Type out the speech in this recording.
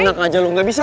lengak aja lo gak bisa